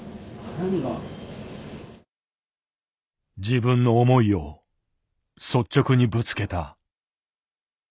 自分の思いを率直にぶつけた。